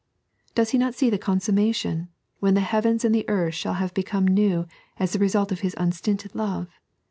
Does He not see the consummation, when the heavens and the earth shall have become new as the result of His unstinted love